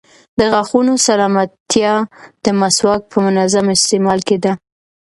د غاښونو سلامتیا د مسواک په منظم استعمال کې ده.